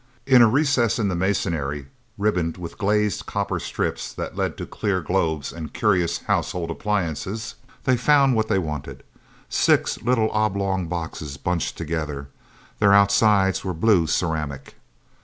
In a recess in the masonry, ribboned with glazed copper strips that led to clear globes and curious household appliances, they found what they wanted. Six little oblong boxes bunched together. Their outsides were blue ceramic.